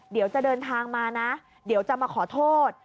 เดี๋ยวจะเดินทางมานะเดี๋ยวจะมาขอโทษ